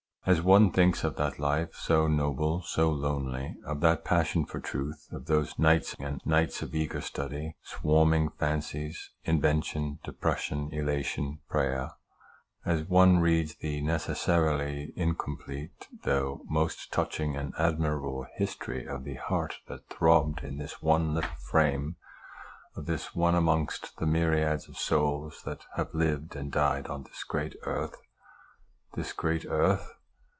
As one thinks of that life so noble, so lonely of that passion for truth of those nights and nights of eager study, swarming fancies, inven tion, depression, elation, prayer ; as one reads the necessarily incomplete, though most touching and admirable history of the heart that throbbed in this one little frame of this one amongst the myriads of souls that have lived and died on this great earth this great earth